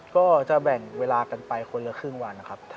ก็จะแบ่งเวลากันไปคนละครึ่งวันนะครับ